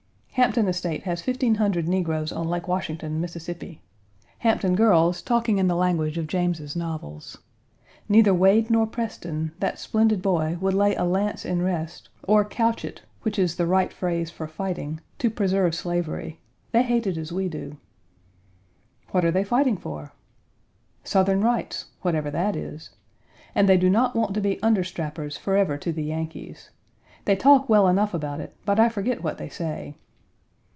Hampton estate has fifteen hundred negroes on Lake Washington, Mississippi. Hampton girls talking in the language of James's novels: "Neither Wade nor Preston that splendid boy! would lay a lance in rest or couch it, which is the right phrase for fighting, to preserve slavery. They hate it as we do." "What are they fighting for?" "Southern rights whatever that is. And they do not want to be understrappers forever to the Yankees. They talk well enough about it, but I forget what they say."